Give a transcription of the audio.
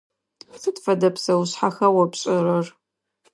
Сыд фэдэ псэушъхьэха о пшӏэрэр?